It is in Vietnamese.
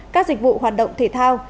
các dịch vụ hoạt động thể thao